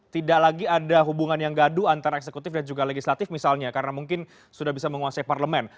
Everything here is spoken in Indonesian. tidak lagi ada hubungan yang gaduh antara eksekutif dan juga legislatif misalnya karena mungkin sudah bisa menguasai parlemen